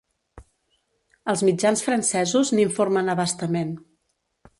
Els mitjans francesos n’informen a bastament.